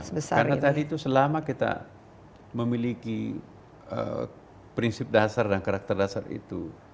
karena tadi itu selama kita memiliki prinsip dasar dan karakter dasar itu